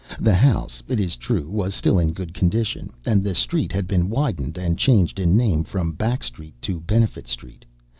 The house, it is true, was still in good condition; and the street had been widened and changed in name from Back Street to Benefit Street.